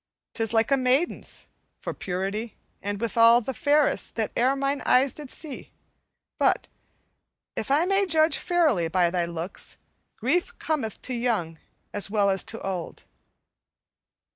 'Tis like a maiden's for purity, and, withal, the fairest that e'er mine eyes did see; but, if I may judge fairly by thy looks, grief cometh to young as well as to old."